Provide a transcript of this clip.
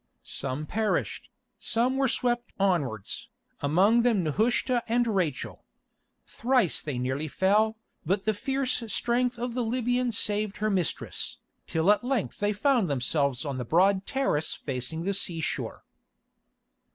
Some perished, some were swept onwards, among them Nehushta and Rachel. Thrice they nearly fell, but the fierce strength of the Libyan saved her mistress, till at length they found themselves on the broad terrace facing the seashore.